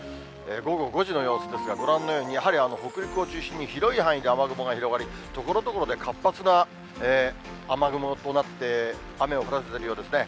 午後５時の様子ですが、ご覧のようにやはり北陸を中心に広い範囲で雨雲が広がり、所々で活発な雨雲となって、雨を降らせているようですね。